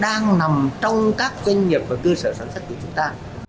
đang nằm trong các doanh nghiệp và cơ sở sản xuất của chúng ta